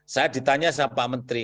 saya ditanya sama pak menteri